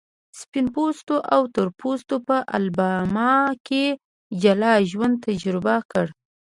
سپین پوستو او تور پوستو په الاباما کې جلا ژوند تجربه کړ.